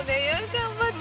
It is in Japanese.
頑張った。